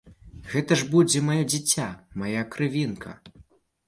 Гэта ж будзе маё дзіця, мая крывінка.